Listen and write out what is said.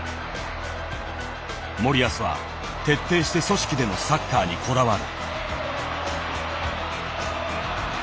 森保は徹底して組織でのサッカーにこだわる。